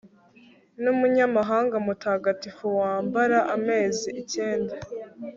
Numunyamahanga mutagatifu wambara amezi icyenda